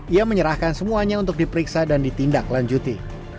ia menyerahkan semuanya untuk diperiksa dan ditindak lanjuti